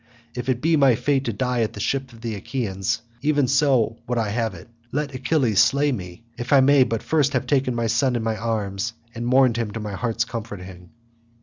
If it be my fate to die at the ships of the Achaeans even so would I have it; let Achilles slay me, if I may but first have taken my son in my arms and mourned him to my heart's comforting."